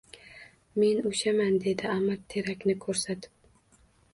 — Men oʼshaman! — dedi Аmir terakni koʼrsatib.